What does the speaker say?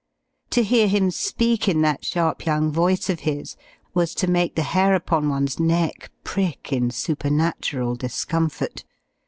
To hear him speak in that sharp, young voice of his was to make the hair upon one's neck prick in supernatural discomfort.